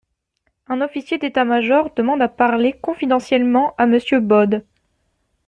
Un officier d'état-major demande à parler confidentiellement à monsieur Baude!